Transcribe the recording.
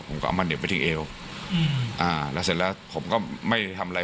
ผมก็เอามันเห็บไปที่เอวอืมอ่าแล้วเสร็จแล้วผมก็ไม่ได้ทำอะไร